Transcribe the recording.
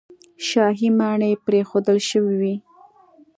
شاهي ماڼۍ پرېښودل شوې وې.